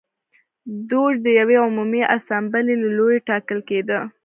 دوج د یوې عمومي اسامبلې له لوري ټاکل کېده.